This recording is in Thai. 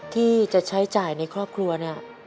ที่จะใช้จ่ายในครอบครัวเนี่ย